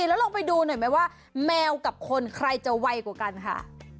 แล้วลองไปดูหน่อยไหมว่าแมวกับคนใครจะไวกว่ากันค่ะ